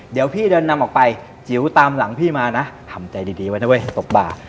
เดี๋ยวพี่เดินนำออกไปจิ๋วตามหลังพี่มานะทำใจดีไว้นะเว้ยตกบ่า